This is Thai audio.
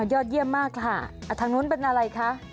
ยอดเยี่ยมมากค่ะทางนู้นเป็นอะไรคะ